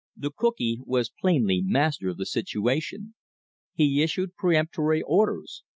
The cookee was plainly master of the situation. He issued peremptory orders.